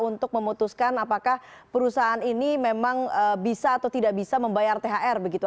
untuk memutuskan apakah perusahaan ini memang bisa atau tidak bisa membayar thr begitu